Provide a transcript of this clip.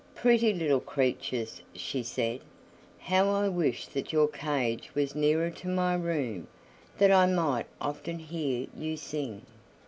"Pretty little creatures," she said, "how I wish that your cage was nearer to my room, that I might often hear you sing!"